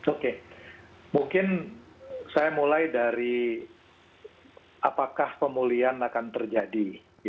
oke mungkin saya mulai dari apakah pemulihan akan terjadi